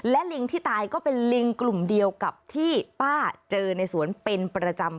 และลิงที่ตายก็เป็นลิงกลุ่มเดียวกับที่ป้าเจอในสวนเป็นประจำ